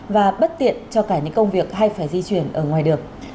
và bất tiện cho cả những công việc hay phải di chuyển ở ngoài được